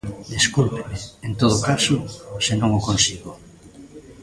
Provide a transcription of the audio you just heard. Descúlpeme, en todo caso, se non o consigo.